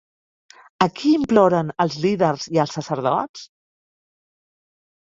A qui imploren els líders i els sacerdots?